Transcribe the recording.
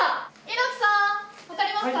猪木さん分かりますか？